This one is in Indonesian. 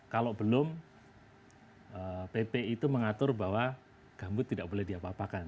kalau belum pp itu mengatur bahwa gambut tidak boleh diapa apakan